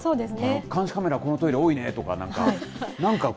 監視カメラ、このトイレ多いねとか、なんかこう。